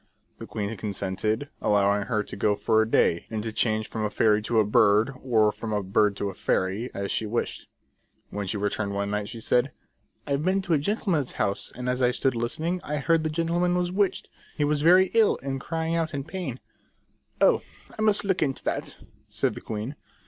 The queen consented, allowing her to go for a day, and to change from a fairy to a bird, or from a bird to a fairy, as she wished. When she returned one night she said :" I've been to a gentleman's house, and as I stood listening, I heard the gentleman was witched : he was very ill, and crying out with pain." " Oh, I must look into that," said the queen.